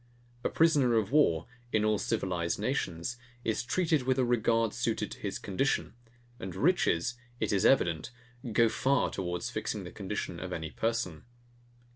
A prisoner of war, in all civilized nations, is treated with a regard suited to his condition; and riches, it is evident, go far towards fixing the condition of any person.